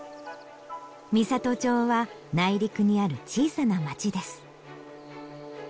美郷町は内陸にある小さな町です。